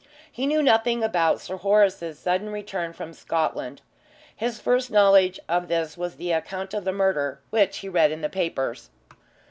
He knew nothing about Sir Horace's sudden return from Scotland. His first knowledge of this was the account of the murder, which he read in the papers.